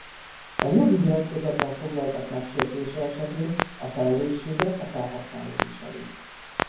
A jogi nyilatkozatban foglaltak megsértése esetén a felelősséget a felhasználó viseli.